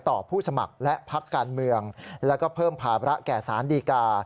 ผู้สมัครและพักการเมืองแล้วก็เพิ่มภาระแก่สารดีกา